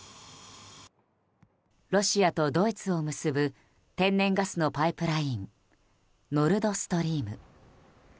ロシアとドイツを結ぶ天然ガスのパイプラインノルドストリーム。